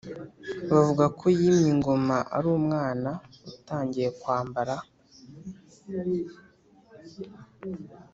bavuga ko yimye ingoma ari umwana utangiye kwambara